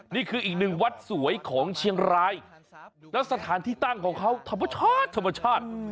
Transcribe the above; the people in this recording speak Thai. นี่คืออีกหนึ่งวัดสวยของเชียงรายแล้วสถานที่ตั้งของเขาธรรมชาติธรรมชาติ